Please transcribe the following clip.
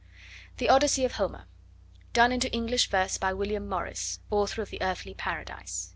The Odyssey of Homer. Done into English Verse by William Morris, author of The Earthly Paradise.